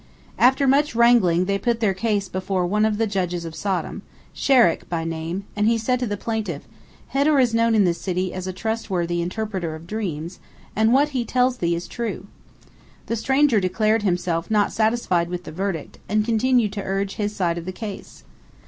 After much wrangling, they put their case before one of the judges of Sodom, Sherek by name, and he said to the plaintiff, "Hedor is known in this city as a trustworthy interpreter of dreams, and what he tells thee is true." The stranger declared himself not satisfied with the verdict, and continued to urge his side of the case.